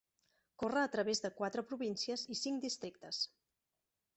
Corre a través de quatre províncies i cinc districtes.